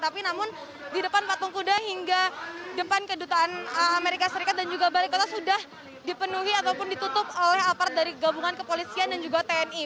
dari depan patung tudang hingga depan kedutaan amerika serikat dan juga balikota sudah dipenuhi ataupun ditutup oleh apart dari gabungan kepolisian dan juga tni